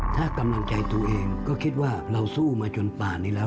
ถ้ากำลังใจตัวเองก็คิดว่าเราสู้มาจนป่านนี้แล้ว